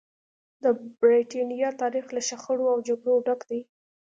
د برېټانیا تاریخ له شخړو او جګړو ډک دی.